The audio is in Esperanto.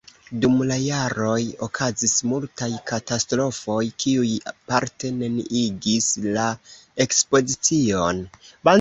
Dum la jaroj okazis multaj katastrofoj, kiuj parte neniigis la ekspozicion.